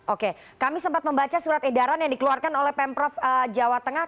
oke kami sempat membaca surat edaran yang dikeluarkan oleh pemprov jawa tengah